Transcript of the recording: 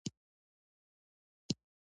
د ګیلاس دانه د درد لپاره وکاروئ